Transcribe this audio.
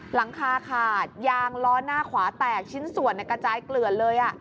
หลังคาขาดยางล้อหน้าขวาแตกชิ้นส่วนกระจายเกลือนเลย